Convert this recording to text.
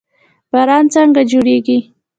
باران څنګه جوړیږي؟